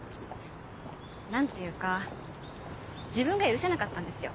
何ていうか自分が許せなかったんですよ。